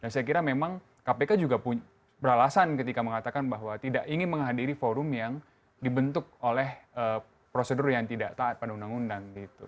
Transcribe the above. dan saya kira memang kpk juga beralasan ketika mengatakan bahwa tidak ingin menghadiri forum yang dibentuk oleh prosedur yang tidak taat pada undang undang gitu